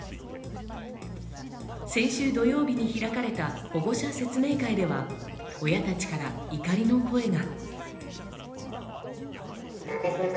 先週土曜日に開かれた保護者説明会では、親たちから怒りの声が。